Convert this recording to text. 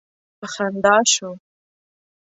په خندا شو.